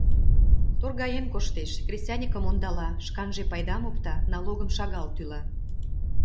Торгаен коштеш, кресаньыкым ондала, шканже пайдам опта, налогым шагал тӱла.